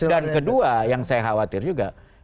dan kedua yang saya khawatir juga